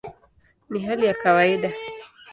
Ni hali ya kawaida".